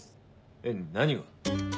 えっ何が？